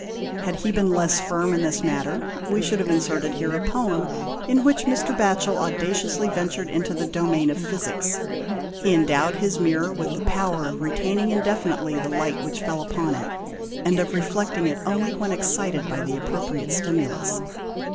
Had he been less firm in this matter we should have inserted here a poem in which Mr. Batchel audaciously ventured into the domain of Physics. He endowed his mirror with the' power of retaining indefinitely the light which fell upon it, and of reflecting it only when excited by the appropriate stimulus.